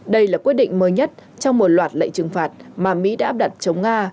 đây là quyết định mới nhất trong một loạt lệnh trừng phạt mà mỹ đã áp đặt chống nga